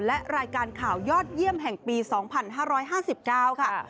และรายการข่าวยอดเยี่ยมแห่งปี๒๕๕๙ค่ะ